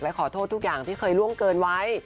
ขอโทษทุกอย่างที่เคยล่วงเกินไว้